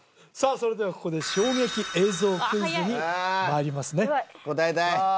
それではここで衝撃映像クイズにまいりますね答えたいさあ